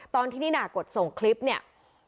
ตอนที่นิน่ากดส่งคลิปเนี่ย